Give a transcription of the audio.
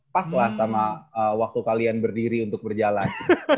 pas lah sama waktu kalian berdiri untuk berjalan